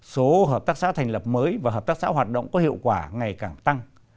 số hợp tác xã thành lập mới và hợp tác xã hoạt động có hiệu quả ngày càng tăng